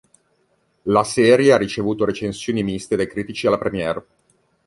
La serie ha ricevuto recensioni miste dai critici alla premiere.